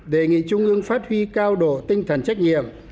đề nghị trung ương phát huy cao độ tinh thần trách nhiệm